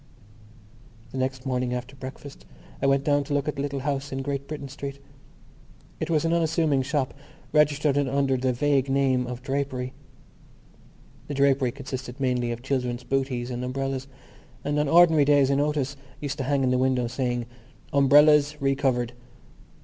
The next morning after breakfast I went down to look at the little house in Great Britain Street. It was an unassuming shop, registered under the vague name of Drapery. The drapery consisted mainly of children's bootees and umbrellas; and on ordinary days a notice used to hang in the window, saying: Umbrellas Re covered.